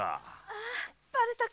ああバレたか。